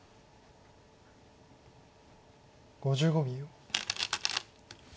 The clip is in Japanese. ５５秒。